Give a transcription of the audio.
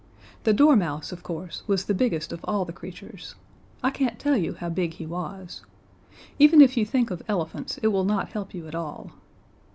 The dormouse, of course, was the biggest of all the creatures. I can't tell you how big he was. Even if you think of elephants it will not help you at all.